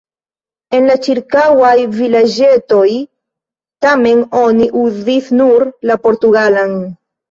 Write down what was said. En la ĉirkaŭaj vilaĝetoj, tamen, oni uzis nur la portugalan.